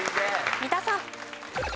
三田さん。